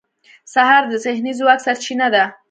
سهار د ذهني ځواک سرچینه ده.